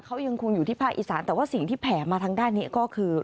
เขายังคงอยู่ที่ภาคอีสานแต่ว่าสิ่งที่แผ่มาทางด้านนี้ก็คือ